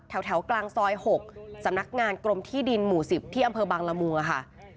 แถวกลางซอย๖สำนักงานกรมที่ดินหมู่๑๐ที่อำเภอบางละมัวค่ะ